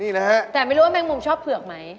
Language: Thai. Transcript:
นะฮะแต่ไม่รู้ว่าแมงมุมชอบเผือกไหม